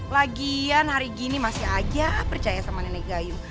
lagian hari gini masih aja percaya sama nenek gayung